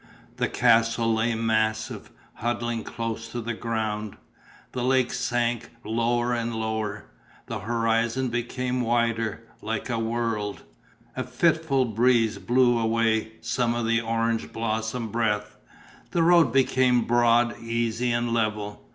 The castle lay massive, huddling close to the ground. The lake sank lower and lower. The horizons became wider, like a world; a fitful breeze blew away some of the orange blossom breath. The road became broad, easy and level.